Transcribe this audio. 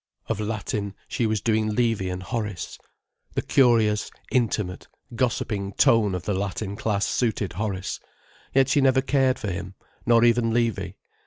Of Latin, she was doing Livy and Horace. The curious, intimate, gossiping tone of the Latin class suited Horace. Yet she never cared for him, nor even Livy.